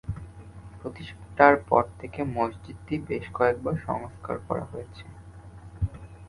প্রতিষ্ঠার পর থেকে মসজিদটি বেশ কয়েকবার সংস্কার করা হয়েছে।